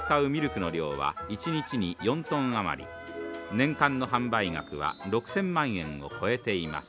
年間の販売額は６，０００万円を超えています。